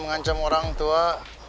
pengen ngambil rabang sibuk tadi